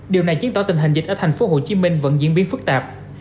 điều này chứng tỏ tình hình dịch ở tp hcm vẫn diễn biến phức tạp